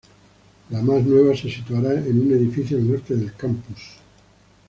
La más nueva se situará en un edificio al norte del campus.